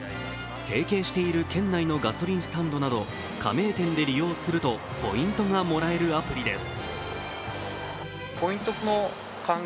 提携している県内のガソリンスタンドなど加盟店で利用するとポイントがもらえるアプリです。